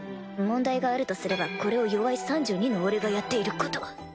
問題があるとすればこれをよわい３２の俺がやっていること。